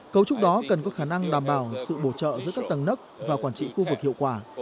cấu trúc đó cần có khả năng đảm bảo sự bổ trợ giữa các tầng nấc và quản trị khu vực hiệu quả